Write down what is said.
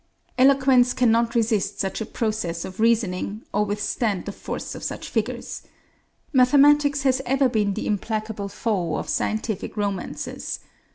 Eloquence cannot resist such a process of reasoning, or withstand the force of such figures. Mathematics has ever been the implacable foe of scientific romances.